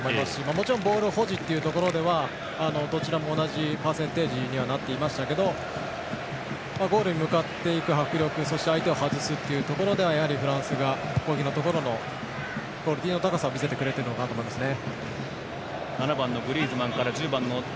もちろんボール保持というところではどちらも同じパーセンテージにはなっていましたけどゴールに向かっていく迫力そして、相手を外すというところでは、フランスが攻撃のところのクオリティーの高さを見せてくれているのかなと思いますね。